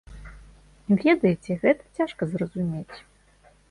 Ведаеце, гэта цяжка зразумець.